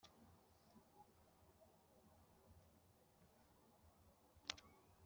Inyamibwa Imana yagize inyange